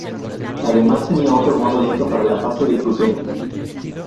Además tenía otro modo lento para la fase de crucero.